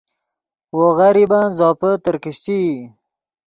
وو غریبن زوپے ترکیشچئی